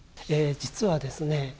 実はですね